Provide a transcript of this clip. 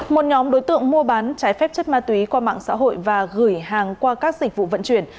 một nhóm đối tượng mua bán trái phép chất ma túy qua mạng xã hội và gửi hàng qua các dịch vụ vận chuyển